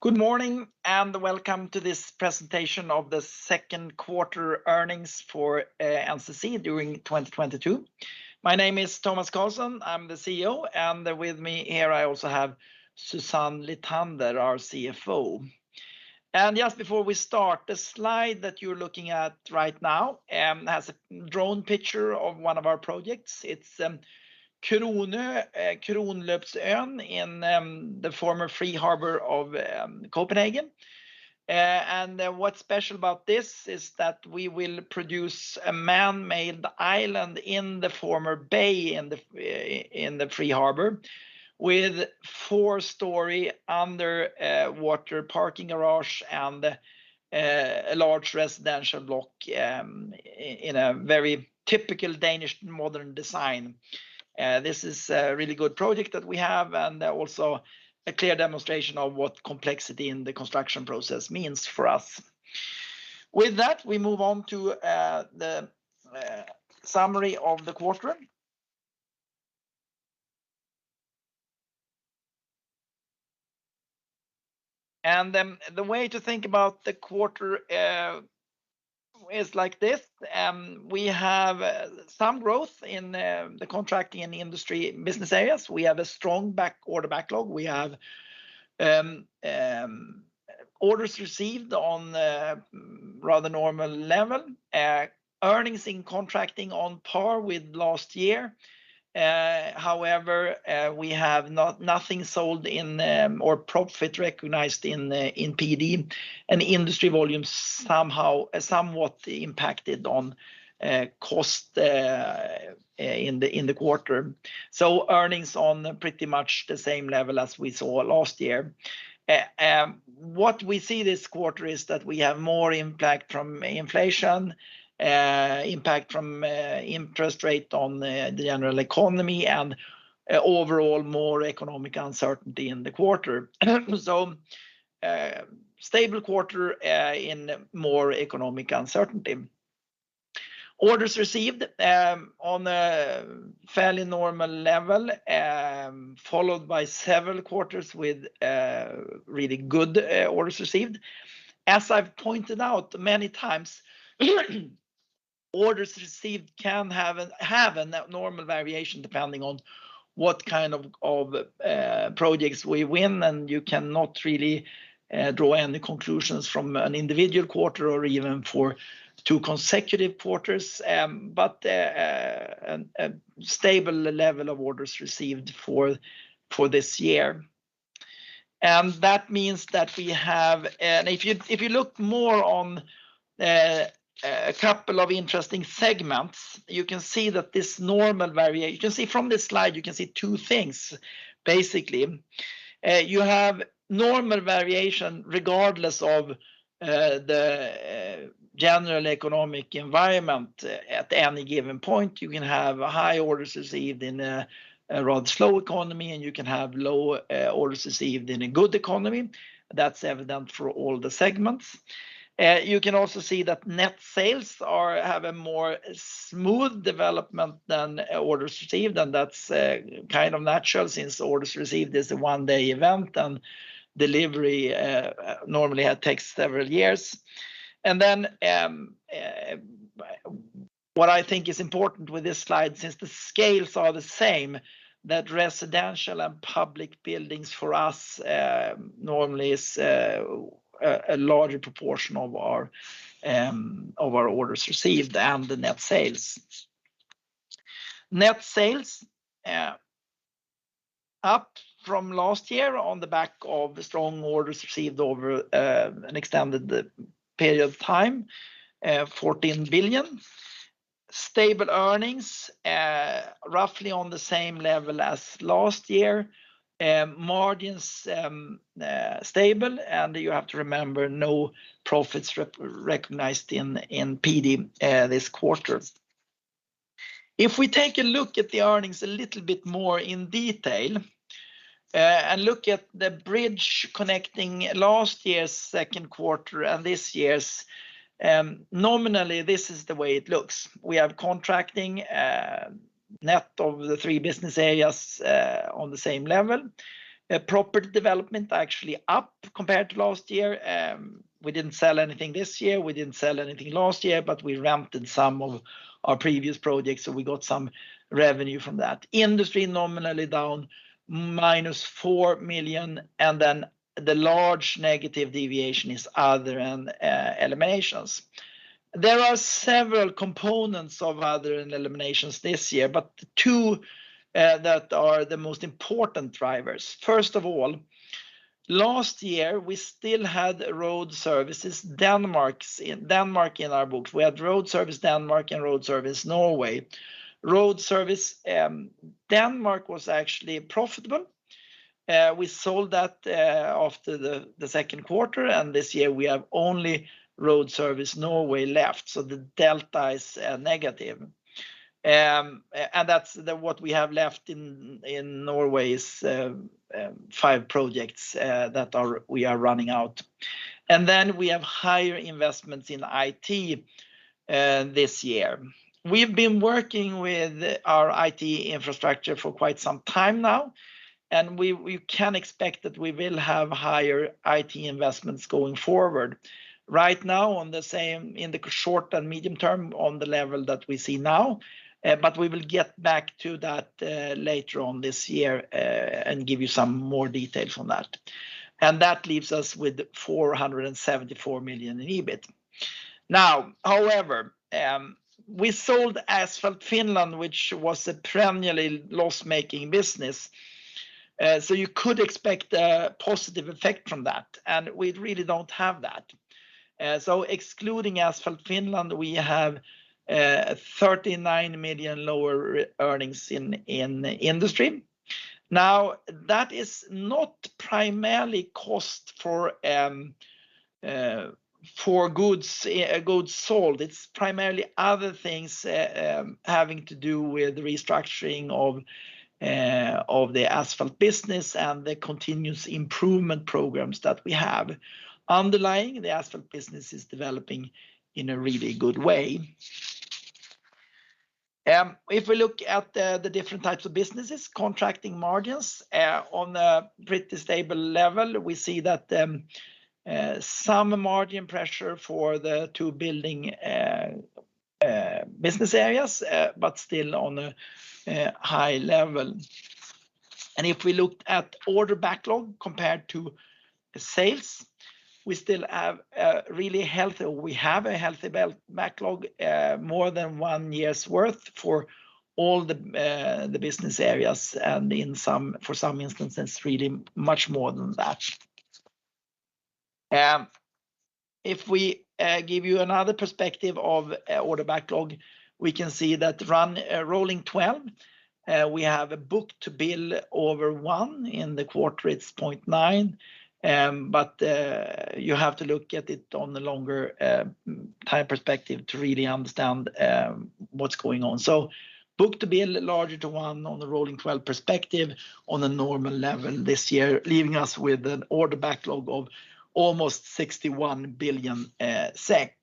Good morning, and welcome to this presentation of the Second Quarter Earnings for NCC during 2022. My name is Tomas Carlsson, I'm the CEO, and with me here I also have Susanne Lithander, our CFO. Just before we start, the slide that you're looking at right now has a drone picture of one of our projects. It's Kronø, Kronløbsøren in the former free harbor of Copenhagen. What's special about this is that we will produce a man-made island in the former bay in the free harbor, with four-story underwater parking garage and a large residential block in a very typical Danish modern design. This is a really good project that we have, and also a clear demonstration of what complexity in the construction process means for us. With that, we move on to the summary of the quarter. The way to think about the quarter is like this. We have some growth in the contracting and the industry business areas. We have a strong order backlog. We have orders received on a rather normal level. Earnings in contracting on par with last year. However, we have nothing sold in or profit recognized in PD, and industry volumes somehow somewhat impacted on cost in the quarter. Earnings on pretty much the same level as we saw last year. What we see this quarter is that we have more impact from inflation, impact from interest rate on the general economy, and overall more economic uncertainty in the quarter. Stable quarter, in more economic uncertainty. Orders received, on a fairly normal level, followed by several quarters with really good orders received. As I've pointed out many times, orders received can have a normal variation depending on what kind of projects we win, and you cannot really draw any conclusions from an individual quarter or even for two consecutive quarters. A stable level of orders received for this year. That means that we have. If you look more on a couple of interesting segments, you can see. You can see from this slide, you can see two things, basically. You have normal variation regardless of the general economic environment at any given point. You can have high orders received in a rather slow economy, and you can have low orders received in a good economy. That's evident for all the segments. You can also see that net sales have a more smooth development than orders received, and that's kind of natural since orders received is a one-day event, and delivery normally takes several years. What I think is important with this slide, since the scales are the same, that residential and public buildings for us normally is a larger proportion of our orders received and the net sales. Net sales up from last year on the back of strong orders received over an extended period of time, 14 billion. Stable earnings roughly on the same level as last year. Margins stable. You have to remember, no profits re-recognized in PD this quarter. If we take a look at the earnings a little bit more in detail and look at the bridge connecting last year's second quarter and this year's, nominally this is the way it looks. We have contracting net of the three business areas on the same level. Property development actually up compared to last year. We didn't sell anything this year. We didn't sell anything last year, but we rented some of our previous projects, so we got some revenue from that. Industry nominally down, -4 million, and then the large negative deviation is other and eliminations. There are several components of other and eliminations this year, but two that are the most important drivers. First of all, last year, we still had Road Services Denmark in Denmark in our books. We had Road Services Denmark and Road Services Norway. Road Services Denmark was actually profitable. We sold that after the second quarter, and this year we have only Road Services Norway left, so the delta is negative. And that's what we have left in Norway is five projects that we are running out. We have higher investments in IT this year. We've been working with our IT infrastructure for quite some time now, and we can expect that we will have higher IT investments going forward. Right now, on the same, in the short and medium term on the level that we see now, but we will get back to that later on this year and give you some more details on that. That leaves us with 474 million in EBIT. Now, however, we sold Asphalt Finland, which was a primarily loss-making business. So you could expect a positive effect from that, and we really don't have that. So excluding Asphalt Finland, we have 39 million lower earnings in the industry. Now, that is not primarily cost of goods sold. It's primarily other things having to do with the restructuring of the Asphalt business and the continuous improvement programs that we have. Underlying, the Asphalt business is developing in a really good way. If we look at the different types of businesses, contracting margins are on a pretty stable level. We see that some margin pressure for the two building business areas, but still on a high level. If we look at order backlog compared to sales, we have a healthy backlog, more than one year's worth for all the business areas, and in some instances, really much more than that. If we give you another perspective of order backlog, we can see that rolling 12, we have a book-to-bill over 1.0. In the quarter, it's 0.9. You have to look at it on the longer time perspective to really understand what's going on. Book-to-bill larger than one on the rolling 12 perspective on a normal level this year, leaving us with an order backlog of almost 61 billion SEK,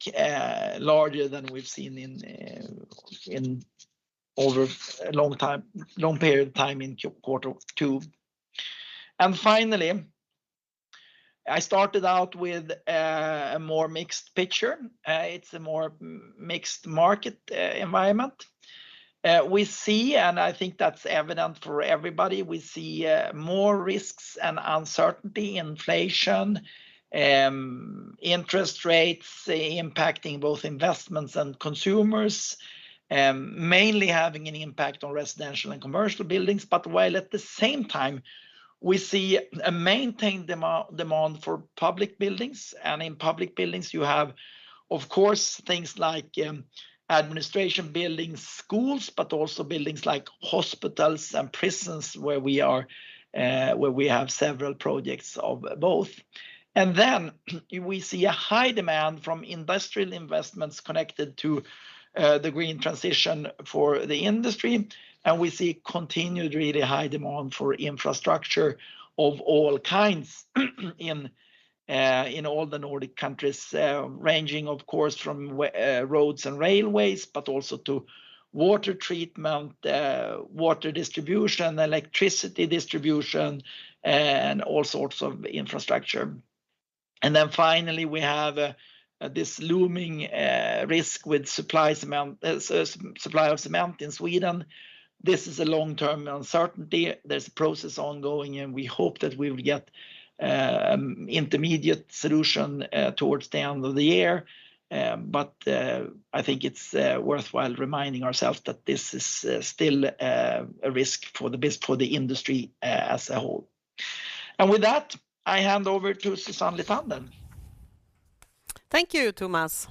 larger than we've seen over a long time, long period of time in quarter two. Finally, I started out with a more mixed picture. It's a more mixed market environment. We see, and I think that's evident for everybody, we see more risks and uncertainty, inflation, interest rates impacting both investments and consumers, mainly having an impact on residential and commercial buildings. While at the same time, we see a maintained demand for public buildings. In public buildings you have, of course, things like administration buildings, schools, but also buildings like hospitals and prisons where we have several projects of both. We see a high demand from industrial investments connected to the green transition for the industry. We see continued really high demand for infrastructure of all kinds in all the Nordic countries, ranging of course from roads and railways, but also to water treatment, water distribution, electricity distribution, and all sorts of infrastructure. Finally, we have this looming risk with supply of cement in Sweden. This is a long-term uncertainty. There's a process ongoing, and we hope that we will get intermediate solution towards the end of the year. I think it's worthwhile reminding ourselves that this is still a risk for the industry as a whole. With that, I hand over to Susanne Lithander. Thank you, Tomas.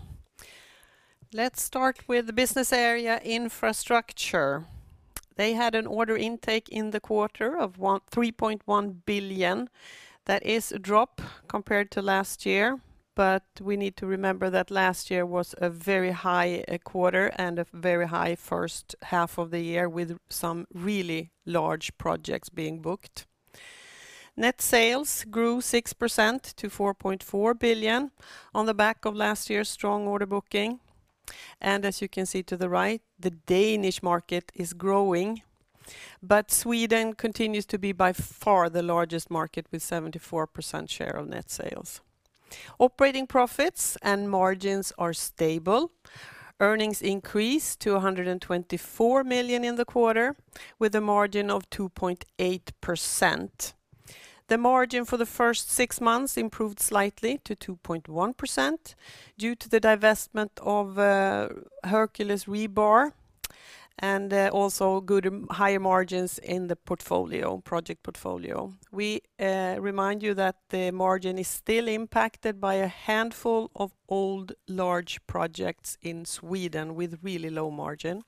Let's start with the business area infrastructure. They had an order intake in the quarter of 3.1 billion. That is a drop compared to last year, but we need to remember that last year was a very high quarter and a very high first half of the year with some really large projects being booked. Net sales grew 6% to 4.4 billion on the back of last year's strong order booking. As you can see to the right, the Danish market is growing, but Sweden continues to be by far the largest market, with 74% share of net sales. Operating profits and margins are stable. Earnings increased to 124 million in the quarter, with a margin of 2.8%. The margin for the first six months improved slightly to 2.1% due to the divestment of Hercules Armering and also good higher margins in the portfolio, project portfolio. We remind you that the margin is still impacted by a handful of old large projects in Sweden with really low margin.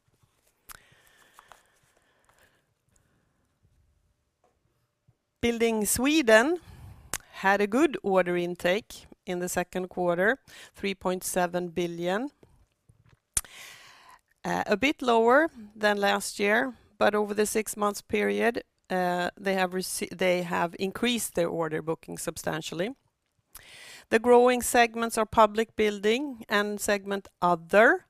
NCC Building Sweden had a good order intake in the second quarter, 3.7 billion. A bit lower than last year, but over the six months period, they have increased their order book substantially. The growing segments are public building and segment other.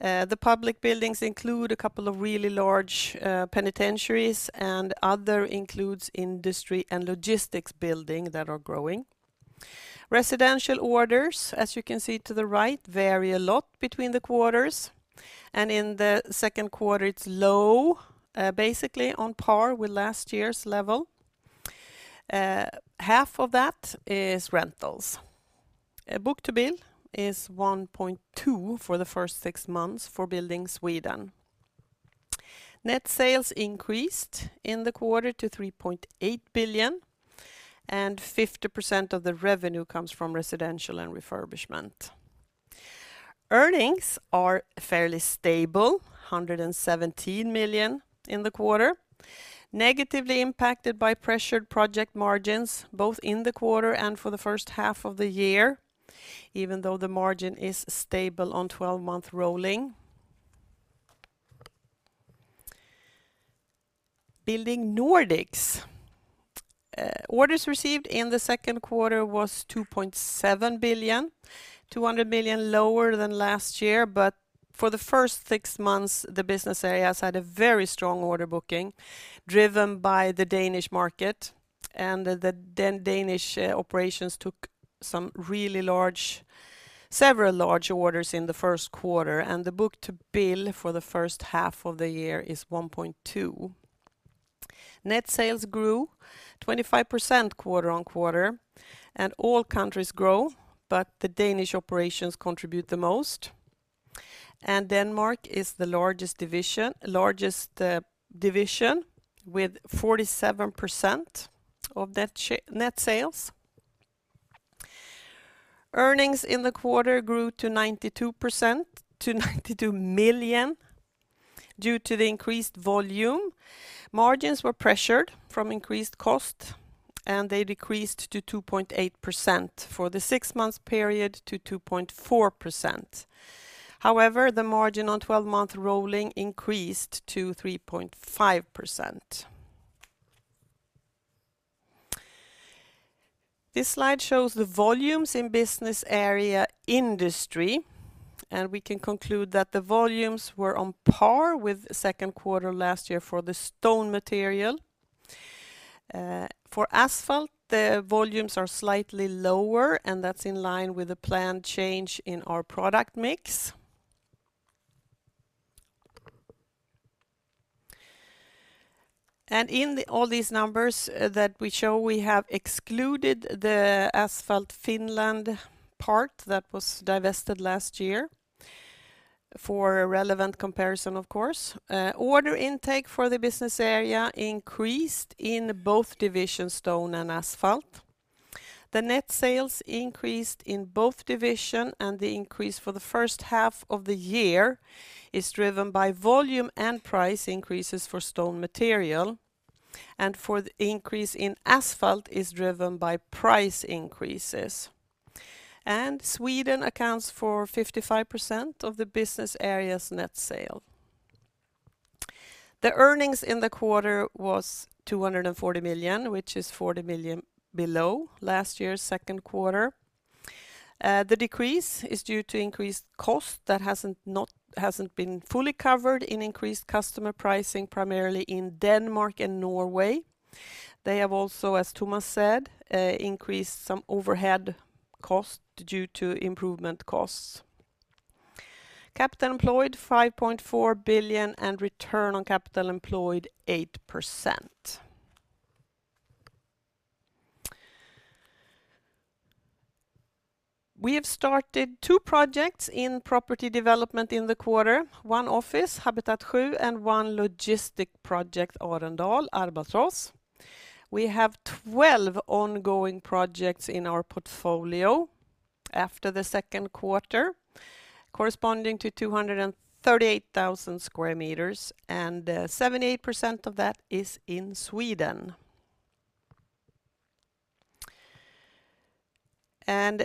The public buildings include a couple of really large penitentiaries and other includes industry and logistics building that are growing. Residential orders, as you can see to the right, vary a lot between the quarters, and in the second quarter it's low, basically on par with last year's level. Half of that is rentals. Book-to-bill is 1.2 for the first six months for Building Sweden. Net sales increased in the quarter to 3.8 billion, and 50% of the revenue comes from residential and refurbishment. Earnings are fairly stable, 117 million in the quarter, negatively impacted by pressured project margins, both in the quarter and for the first half of the year, even though the margin is stable on 12-month rolling. Building Nordics. Orders received in the second quarter was 2.7 billion, 200 million lower than last year. For the first six months, the business areas had a very strong order booking driven by the Danish market. The Danish operations took several large orders in the first quarter, and the book-to-bill for the first half of the year is 1.2. Net sales grew 25% quarter-on-quarter, and all countries grow, but the Danish operations contribute the most. Denmark is the largest division with 47% of net sales. Earnings in the quarter grew to 92 million due to the increased volume. Margins were pressured from increased cost, and they decreased to 2.8% for the six months period to 2.4%. However, the margin on 12-month rolling increased to 3.5%. This slide shows the volumes in business area Industry, and we can conclude that the volumes were on par with second quarter last year for the stone material. For asphalt, the volumes are slightly lower, and that's in line with the planned change in our product mix. In all these numbers that we show, we have excluded the Asphalt Finland part that was divested last year for a relevant comparison of course. Order intake for the business area increased in both division stone and asphalt. The net sales increased in both division, and the increase for the first half of the year is driven by volume and price increases for stone material, and for the increase in asphalt is driven by price increases. Sweden accounts for 55% of the business area's net sales. The earnings in the quarter was 240 million, which is 40 million below last year's second quarter. The decrease is due to increased cost that hasn't been fully covered in increased customer pricing, primarily in Denmark and Norway. They have also, as Tomas said, increased some overhead cost due to improvement costs. Capital employed 5.4 billion and return on capital employed 8%. We have started two projects in property development in the quarter. One office, Habitat 7, and one logistic project, Albatross. We have 12 ongoing projects in our portfolio after the second quarter, corresponding to 238,000 square meters, and 78% of that is in Sweden.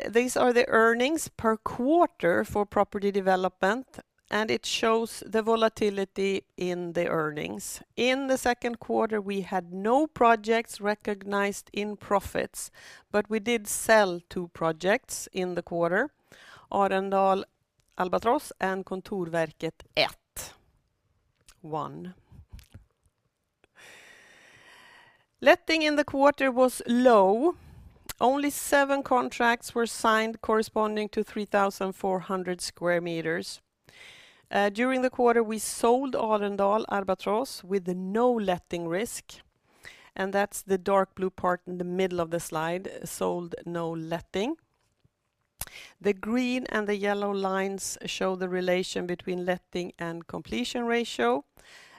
These are the earnings per quarter for property development, and it shows the volatility in the earnings. In the second quarter, we had no projects recognized in profits, but we did sell two projects in the quarter, Albatross and Kontorvaerket 1. Letting in the quarter was low. Only seven contracts were signed corresponding to 3,400 sqm. During the quarter, we sold Albatross with no letting risk, and that's the dark blue part in the middle of the slide, sold no letting. The green and the yellow lines show the relation between letting and completion ratio,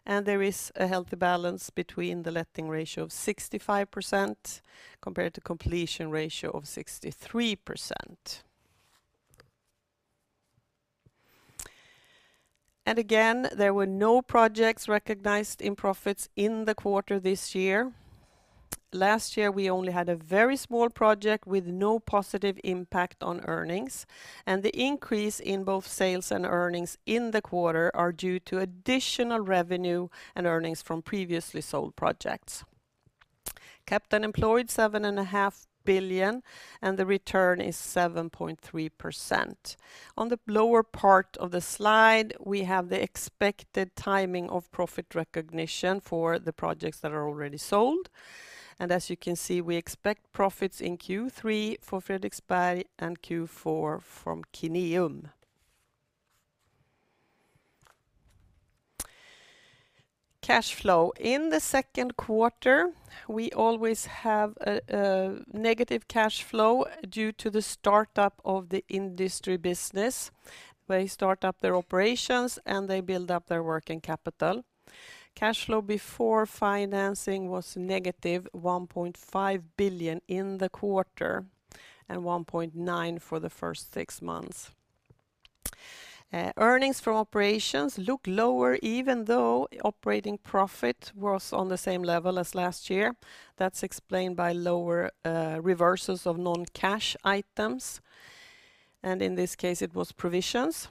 and there is a healthy balance between the letting ratio of 65% compared to completion ratio of 63%. There were no projects recognized in profits in the quarter this year. Last year, we only had a very small project with no positive impact on earnings, and the increase in both sales and earnings in the quarter are due to additional revenue and earnings from previously sold projects. Capital employed 7.5 billion and the return is 7.3%. On the lower part of the slide, we have the expected timing of profit recognition for the projects that are already sold. As you can see, we expect profits in third quarter for Fredriksberg and fourth quarter from Kineum. Cash flow. In the second quarter, we always have a negative cash flow due to the start-up of the industry business, where they start up their operations and they build up their working capital. Cash flow before financing was -1.5 billion in the quarter and 1.9 billion for the first six months. Earnings from operations look lower even though operating profit was on the same level as last year. That's explained by lower reversals of non-cash items, and in this case, it was provisions.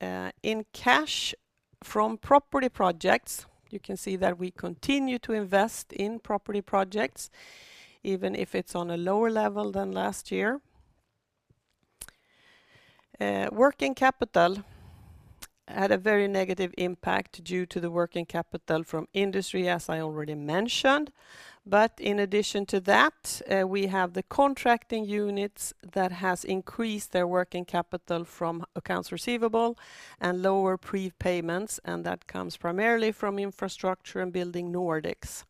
In cash from property projects, you can see that we continue to invest in property projects even if it's on a lower level than last year. Working capital had a very negative impact due to the working capital from industry, as I already mentioned. In addition to that, we have the contracting units that has increased their working capital from accounts receivable and lower prepayments, and that comes primarily from Infrastructure and Building Nordics.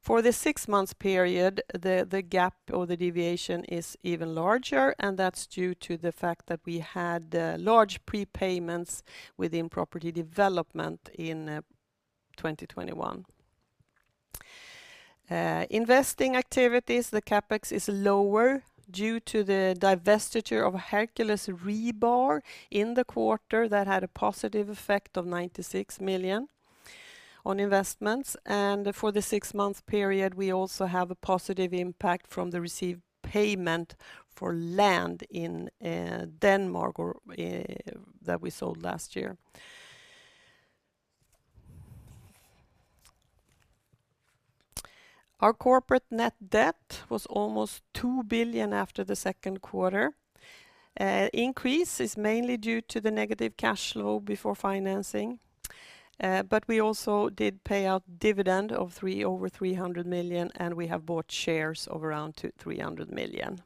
For the six-month period, the gap or the deviation is even larger, and that's due to the fact that we had large prepayments within property development in 2021. Investing activities, the CapEx is lower due to the divestiture of Hercules Armering in the quarter that had a positive effect of 96 million on investments. For the six-month period, we also have a positive impact from the received payment for land in Denmark or that we sold last year. Our corporate net debt was almost 2 billion after the second quarter. The increase is mainly due to the negative cash flow before financing, but we also did pay out dividend of over 300 million, and we have bought shares of around SEK 200 to 300 million.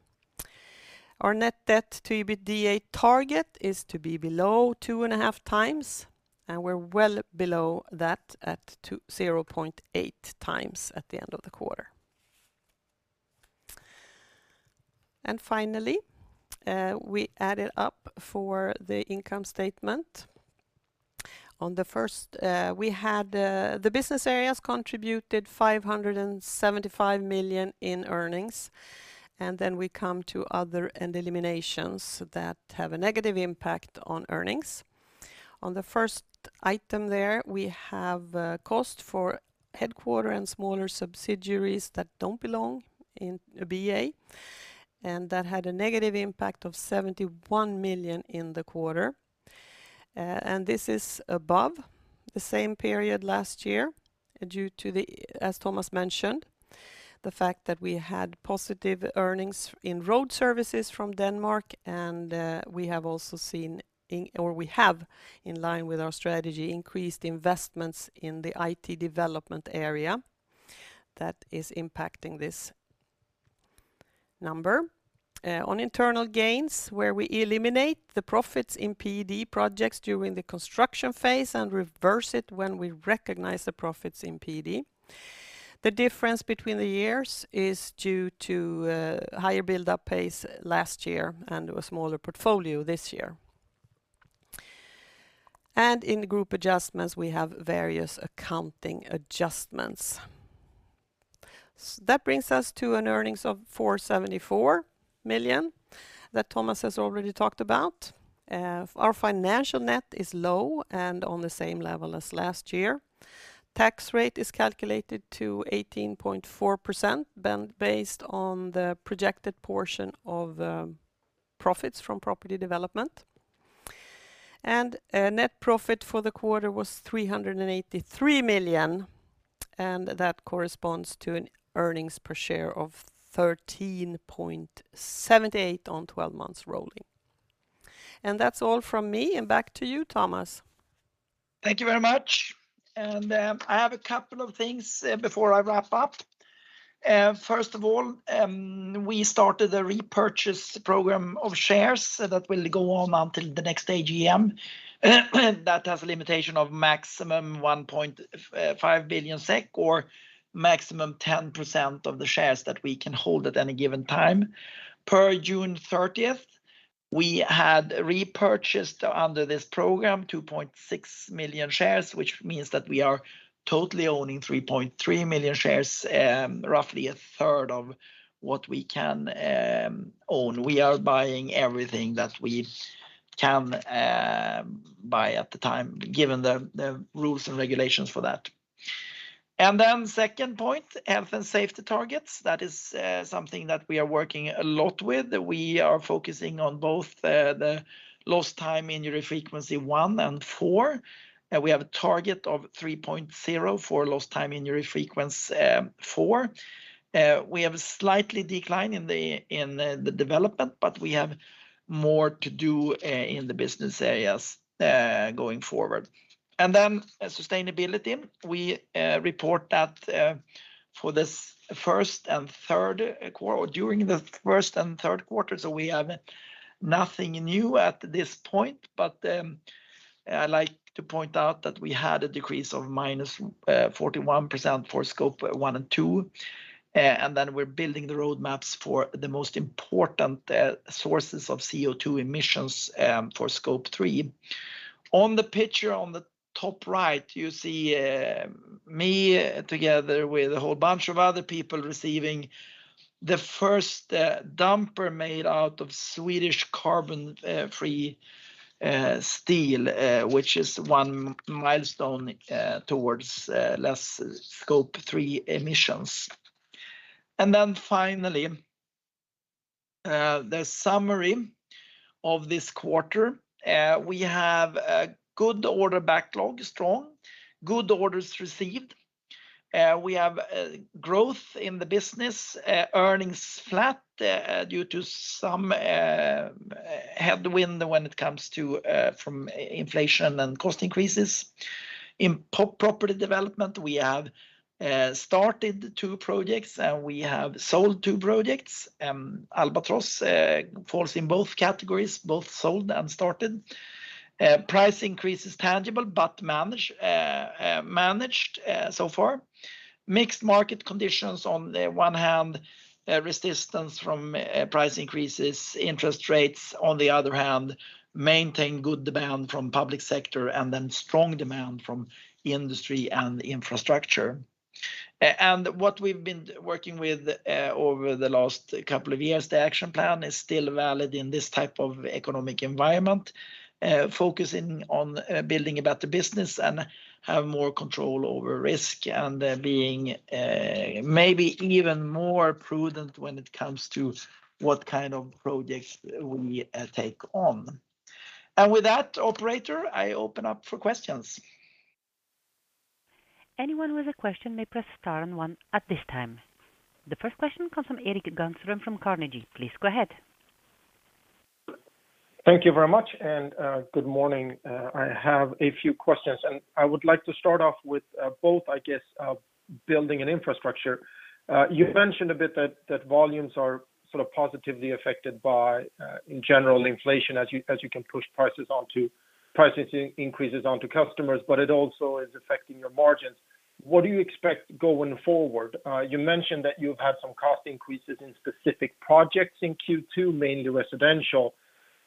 Our net debt to EBITDA target is to be below 2.5x, and we're well below that at 2.08x at the end of the quarter. Finally, we added up for the income statement. On the first, we had the business areas contributed 575 million in earnings, and then we come to other and eliminations that have a negative impact on earnings. On the first item there, we have cost for headquarters and smaller subsidiaries that don't belong in a BA, and that had a negative impact of 71 million in the quarter. This is above the same period last year due to the, as Tomas mentioned, the fact that we had positive earnings in Road Services Denmark and, we have also seen or we have in line with our strategy, increased investments in the IT development area that is impacting this number. On internal gains, where we eliminate the profits in PD projects during the construction phase and reverse it when we recognize the profits in PD. The difference between the years is due to, higher build-up pace last year and a smaller portfolio this year. In group adjustments, we have various accounting adjustments. That brings us to an earnings of 474 million that Tomas has already talked about. Our financial net is low and on the same level as last year. Tax rate is calculated to 18.4%, then based on the projected portion of profits from property development. A net profit for the quarter was 383 million, and that corresponds to an earnings per share of 13.78 on 12 months rolling. That's all from me and back to you, Tomas. Thank you very much. I have a couple of things before I wrap up. First of all, we started a repurchase program of shares that will go on until the next AGM, that has a limitation of maximum 1.5 billion SEK or maximum 10% of the shares that we can hold at any given time. Per 30 June 2022, we had repurchased under this program 2.6 million shares, which means that we are totally owning 3.3 million shares, roughly a third of what we can own. We are buying everything that we can at the time, given the rules and regulations for that. Second point, health and safety targets. That is something that we are working a lot with. We are focusing on both the Lost Time Injury Frequency 1 and 4. We have a target of 3.0 for Lost Time Injury Frequency 4. We have a slight decline in the development, but we have more to do in the business areas going forward. Sustainability. We report that during the first and third quarter. We have nothing new at this point, but I like to point out that we had a decrease of -41% for Scope 1 and 2. And then we're building the roadmaps for the most important sources of CO2 emissions for Scope 3. On the picture on the top right, you see me together with a whole bunch of other people receiving the first dumper made out of Swedish carbon-free steel, which is one milestone towards less Scope 3 emissions. Finally, the summary of this quarter. We have a good order backlog, strong. Good orders received. We have growth in the business, earnings flat, due to some headwind when it comes to inflation and cost increases. In property development, we have started two projects, and we have sold two projects. Albatross falls in both categories, both sold and started. Price increase is tangible, but managed so far. Mixed market conditions on the one hand, resistance from price increases, interest rates on the other hand, maintain good demand from public sector and then strong demand from industry and infrastructure. What we've been working with over the last couple of years, the action plan is still valid in this type of economic environment, focusing on building a better business and have more control over risk and being maybe even more prudent when it comes to what kind of projects we take on. With that, operator, I open up for questions. Anyone with a question may press star and one at this time. The first question comes from Erik Granström from Carnegie. Please go ahead. Thank you very much, and good morning. I have a few questions, and I would like to start off with both, I guess, building and infrastructure. You mentioned a bit that volumes are sort of positively affected by in general inflation as you can push price increases onto customers, but it also is affecting your margins. What do you expect going forward? You mentioned that you've had some cost increases in specific projects in second quarter, mainly residential.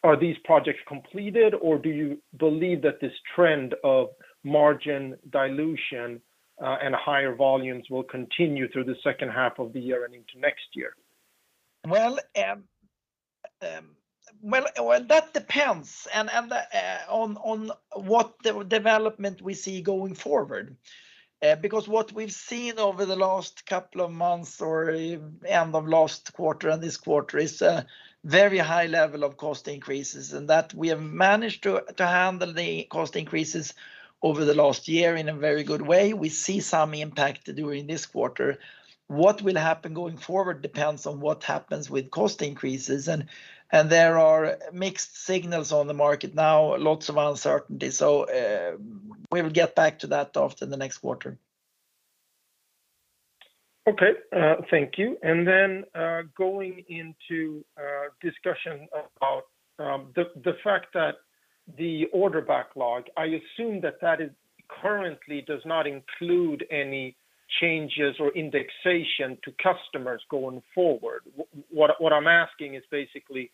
Are these projects completed, or do you believe that this trend of margin dilution and higher volumes will continue through the second half of the year and into next year? Well, that depends on what development we see going forward. What we've seen over the last couple of months or end of last quarter and this quarter is a very high level of cost increases, and that we have managed to handle the cost increases over the last year in a very good way. We see some impact during this quarter. What will happen going forward depends on what happens with cost increases, and there are mixed signals on the market now, lots of uncertainty. We will get back to that after the next quarter. Okay, thank you. Going into discussion about the fact that the order backlog, I assume that is currently does not include any changes or indexation to customers going forward. What I'm asking is basically,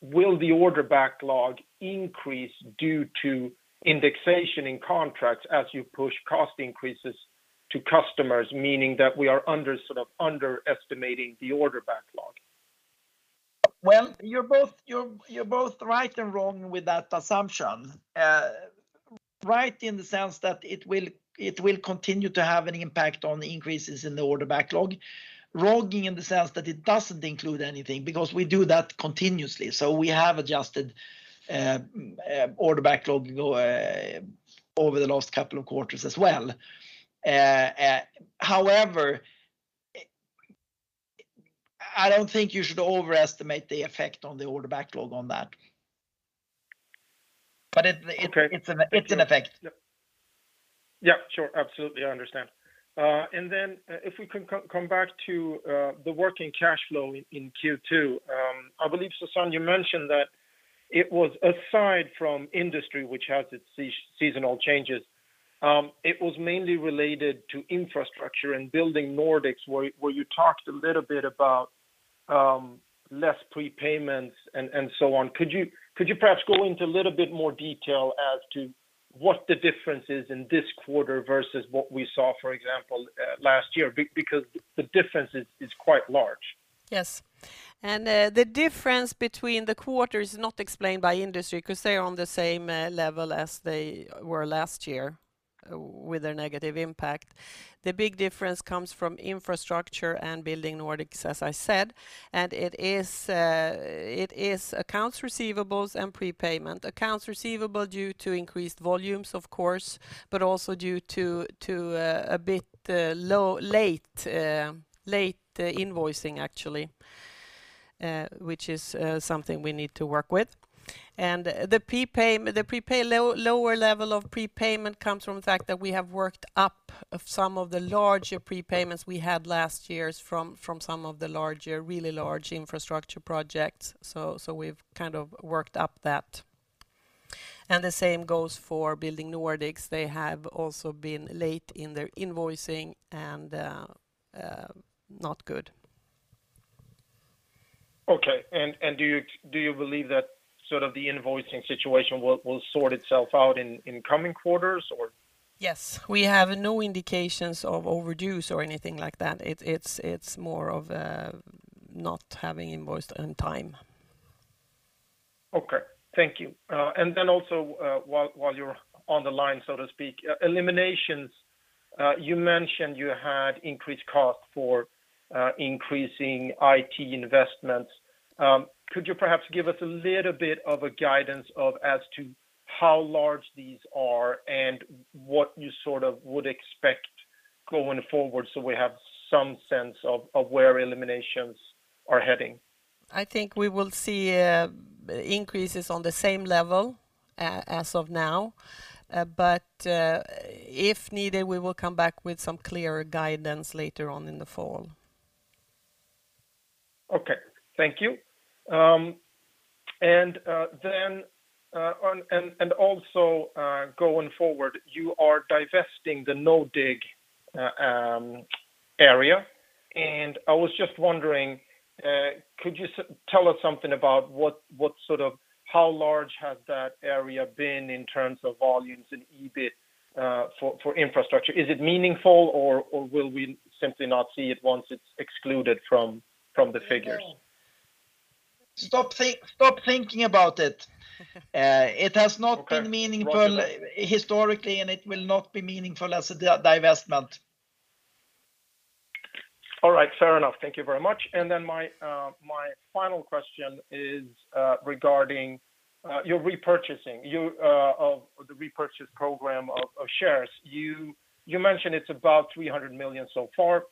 will the order backlog increase due to indexation in contracts as you push cost increases to customers, meaning that we are underestimating the order backlog? Well, you're both right and wrong with that assumption. Right in the sense that it will continue to have an impact on the increases in the order backlog. Wrong in the sense that it doesn't include anything because we do that continuously. We have adjusted order backlog, you know, over the last couple of quarters as well. However, I don't think you should overestimate the effect on the order backlog on that. But it... Okay. It's an effect. Yeah. Yeah. Sure. Absolutely. I understand. Then, if we can come back to the working cash flow in second quarter, I believe, Susanne, you mentioned that it was aside from industry which has its seasonal changes, it was mainly related to infrastructure and Building Nordics, where you talked a little bit about less prepayments and so on. Could you perhaps go into a little bit more detail as to what the difference is in this quarter versus what we saw, for example, last year? Because the difference is quite large. Yes. The difference between the quarter is not explained by industry cause they're on the same level as they were last year with a negative impact. The big difference comes from Infrastructure and Building Nordics, as I said, and it is accounts receivables and prepayment. Accounts receivable due to increased volumes, of course, but also due to a bit late invoicing actually, which is something we need to work with. The lower level of prepayment comes from the fact that we have worked off some of the larger prepayments we had last year from some of the larger, really large infrastructure projects. We've kind of worked off that. The same goes for Building Nordics. They have also been late in their invoicing, and not good. Okay. Do you believe that sort of the invoicing situation will sort itself out in coming quarters or? Yes. We have no indications of overdues or anything like that. It's more of not having invoiced on time. Okay. Thank you. While you're on the line, so to speak, eliminations, you mentioned you had increased cost for increasing IT investments. Could you perhaps give us a little bit of a guidance as to how large these are and what you sort of would expect going forward so we have some sense of where eliminations are heading? I think we will see increases on the same level as of now. But if needed, we will come back with some clearer guidance later on in the fall. Okay. Thank you. Going forward, you are divesting the NoDig area, and I was just wondering, could you tell us something about what sort of how large has that area been in terms of volumes in EBIT for infrastructure? Is it meaningful, or will we simply not see it once it's excluded from the figures? Stop thinking about it. It has not been. Okay. Meaningful historically, and it will not be meaningful as a divestment. All right. Fair enough. Thank you very much. Then my final question is regarding your repurchasing of the repurchase program of shares. You mentioned it's about 300 million so far.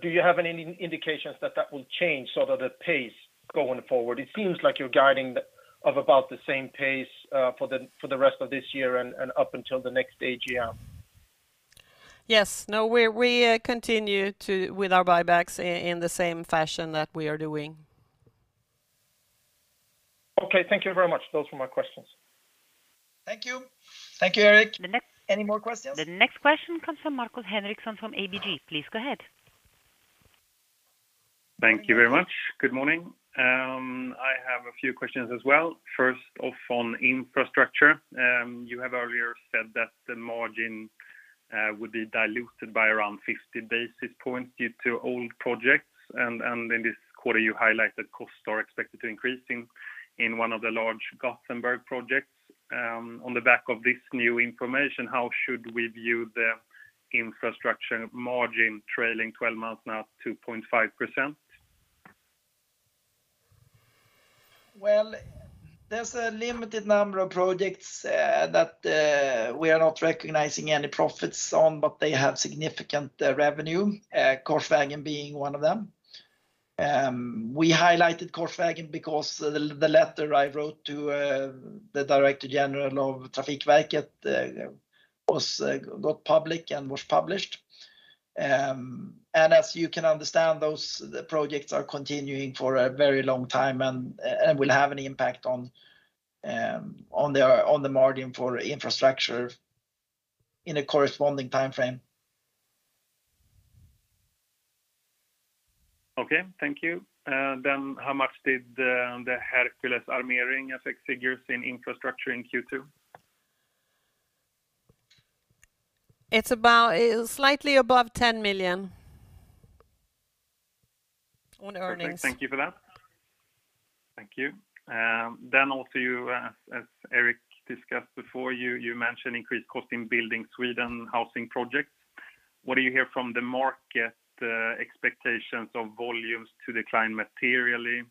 Do you have any indications that that will change sort of the pace going forward? It seems like you're guiding to about the same pace for the rest of this year and up until the next AGM. Yes. No, we continue with our buybacks in the same fashion that we are doing. Okay. Thank you very much. Those were my questions. Thank you. Thank you, Erik. The next... Any more questions? The next question comes from Markus Henriksson from ABG. Please go ahead. Thank you very much. Good morning. I have a few questions as well. First off on infrastructure, you have earlier said that the margin would be diluted by around 50-basis points due to old projects and in this quarter you highlighted costs are expected to increase in one of the large Gothenburg projects. On the back of this new information, how should we view the infrastructure margin trailing 12 months now 2.5%? Well, there's a limited number of projects that we are not recognizing any profits on, but they have significant revenue, Korsvägen being one of them. We highlighted Korsvägen because the letter I wrote to the director general of Trafikverket was made public and was published. As you can understand, those projects are continuing for a very long time and will have an impact on the margin for infrastructure in a corresponding timeframe. Okay. Thank you. How much did the Hercules Armering affect figures in infrastructure in second quarter? It was slightly above SEK 10 million on earnings. Perfect. Thank you for that. Thank you. Also you, as Erik discussed before, you mentioned increased cost in Building Sweden housing projects. What do you hear from the market, expectations of volumes to decline materially?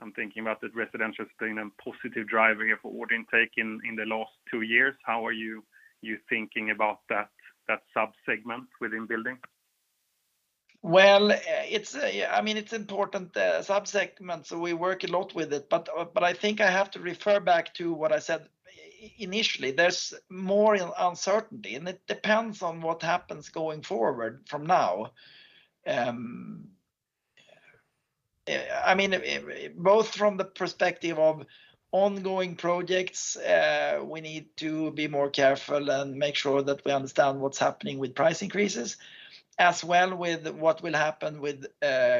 I'm thinking about the residential being a positive driver of order intake in the last two years. How are you thinking about that sub-segment within Building? It's, I mean, it's important sub-segment, so we work a lot with it. I think I have to refer back to what I said initially. There's more uncertainty, and it depends on what happens going forward from now. I mean, both from the perspective of ongoing projects, we need to be more careful and make sure that we understand what's happening with price increases, as well with what will happen with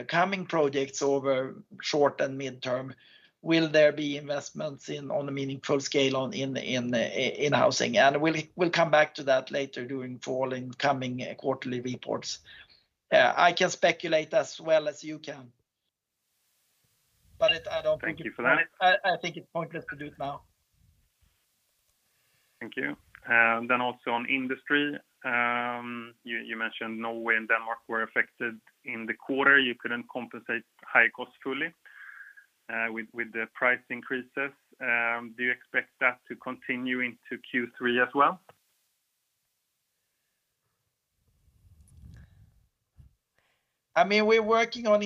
coming projects over short and mid-term. Will there be investments in housing on a meaningful scale? We'll come back to that later during fall in coming quarterly reports. I can speculate as well as you can. It, I don't think... Thank you for that. I think it's pointless to do it now. Thank you. Also on industry. You mentioned Norway and Denmark were affected in the quarter. You couldn't compensate high costs fully with the price increases. Do you expect that to continue into third quarter as well? I mean, we're working on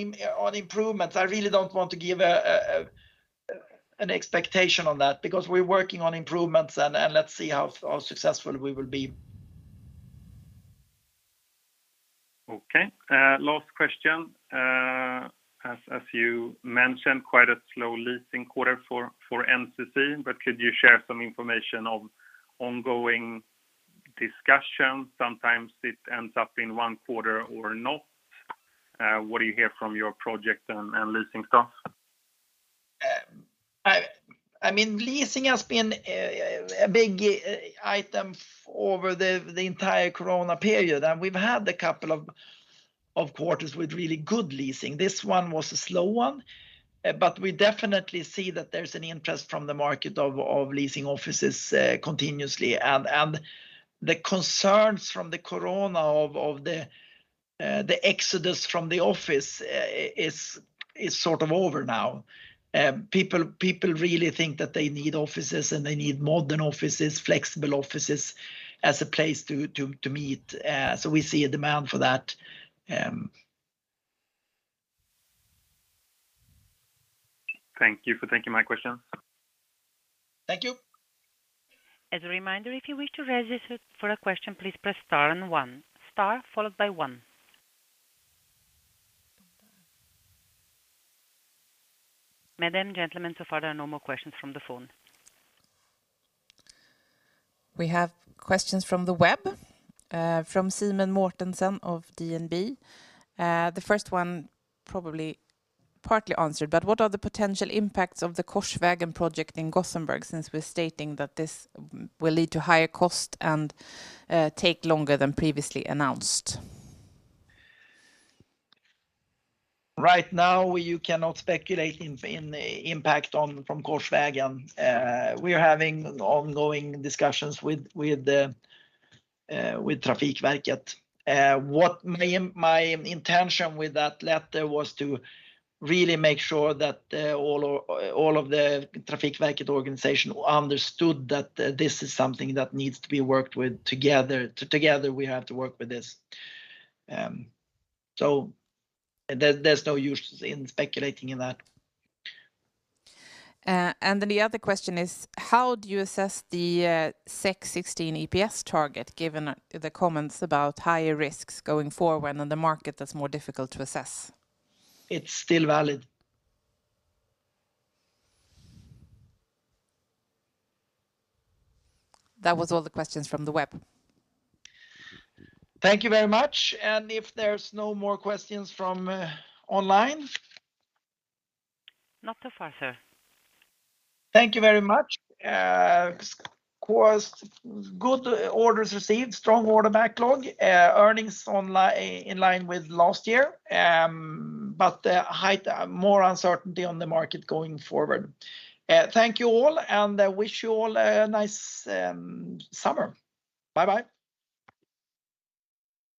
improvements. I really don't want to give an expectation on that because we're working on improvements and let's see how successful we will be. Okay. Last question. As you mentioned, quite a slow leasing quarter for NCC, but could you share some information of ongoing discussions? Sometimes it ends up in one quarter or not. What do you hear from your project and leasing staff? I mean, leasing has been a big item over the entire Corona period, and we've had a couple of quarters with really good leasing. This one was a slow one, but we definitely see that there's an interest from the market of leasing offices continuously. The concerns from the Corona of the exodus from the office is sort of over now. People really think that they need offices, and they need modern offices, flexible offices as a place to meet. We see a demand for that. Thank you for taking my question. Thank you. As a reminder, if you wish to register for a question, please press star and one. Star followed by one. Ladies and gentlemen, so far there are no more questions from the phone. We have questions from the web, from Simen Mortensen of DNB. The first one probably partly answered, but what are the potential impacts of the Korsvägen project in Gothenburg since we're stating that this will lead to higher cost and take longer than previously announced? Right now, you cannot speculate in the impact on, from Korsvägen. We are having ongoing discussions with Trafikverket. What my intention with that letter was to really make sure that all of the Trafikverket organization understood that this is something that needs to be worked with together. Together, we have to work with this. There's no use in speculating in that. The other question is: How do you assess the 2016 EPS target given the comments about higher risks going forward and the market that's more difficult to assess? It's still valid. That was all the questions from the web. Thank you very much. If there's no more questions from online? Not so far, sir. Thank you very much. Strong orders received. Strong order backlog. Earnings in line with last year, but higher uncertainty on the market going forward. Thank you all, and I wish you all a nice summer. Bye-bye.